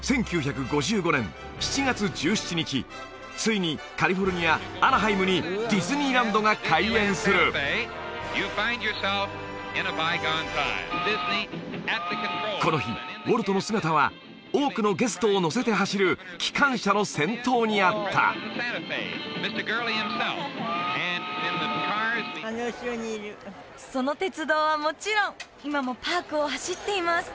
ついにカリフォルニアアナハイムにディズニーランドが開園するこの日ウォルトの姿は多くのゲストを乗せて走る機関車の先頭にあったその鉄道はもちろん今もパークを走っています